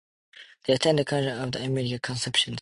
They attend the Cathedral of the Immaculate Conception.